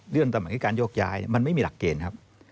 เรื่องตำรวจการยกย้ายมันไม่มีหลักเกณฑ์ครับ